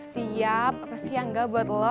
siap apa sih yang gak buat lo